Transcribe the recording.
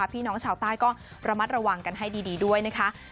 พี่น้องชาวใต้ก็ระมัดระวังกันให้ดีด้วยนะคะ